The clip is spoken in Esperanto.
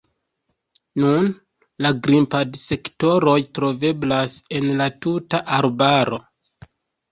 Nun, la grimpad-sektoroj troveblas en la tuta arbaro.